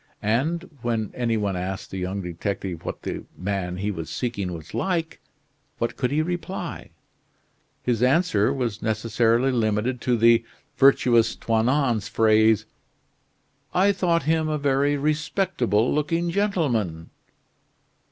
And when any one asked the young detective what the man he was seeking was like, what could he reply? His answer was necessarily limited to the virtuous Toinon's phrase: "I thought him a very respectable looking gentleman."